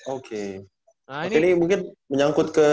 oke ini mungkin menyangkut ke